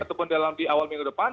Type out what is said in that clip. ataupun di awal minggu depan